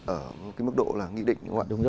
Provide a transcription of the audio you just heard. ở cái mức độ là nghị định